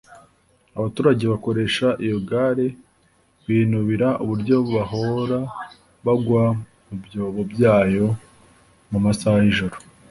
Abaturage bakoresha iyo gare binubira uburyo bahora bagwa mu byobo byayo mu masaha y’ijoro